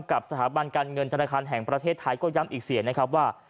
กับสถาบันการเงินธนาคารแห่งประเทศไทยก็ย้ำอีกเสียนะครับว่า